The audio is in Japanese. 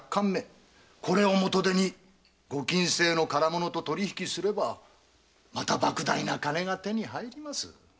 これを元手にご禁制の唐物と取り引きすればまた莫大な金が手に入ります。